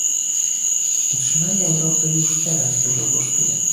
Utrzymanie Europy już teraz dużo kosztuje